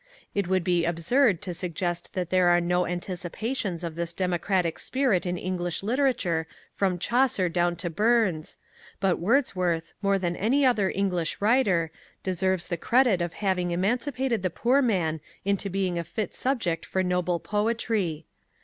It would be absurd to suggest that there are no anticipations of this democratic spirit in English literature from Chaucer down to Burns, but Wordsworth, more than any other English writer, deserves the credit of having emancipated the poor man into being a fit subject for noble poetry.